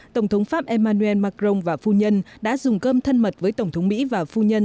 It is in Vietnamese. tổng thống pháp emmanuel macron và phu nhân đã dùng cơm thân mật với tổng thống mỹ và phu nhân